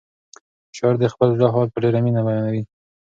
شاعر د خپل زړه حال په ډېره مینه بیانوي.